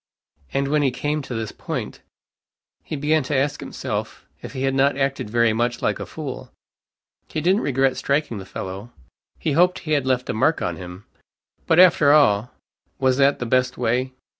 And when he came to this point, he began to ask himself, if he had not acted very much like a fool. He didn't regret striking the fellow he hoped he had left a mark on him. But, after all, was that the best way?